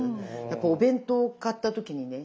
やっぱお弁当を買った時にね